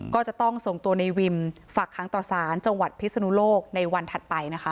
ก็จะต้องส่งตัวในวิมฝากค้างต่อสารจังหวัดพิศนุโลกในวันถัดไปนะคะ